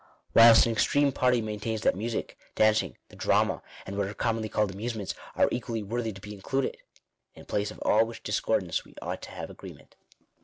Whilst an extreme party maintains that music, dancing, the drama, and what are commonly called amusements, are equally worthy to be included. In place of all which discordance we ought to have agreement.